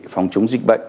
phòng chống dịch bệnh